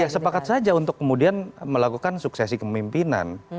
ya sepakat saja untuk kemudian melakukan suksesi kemimpinan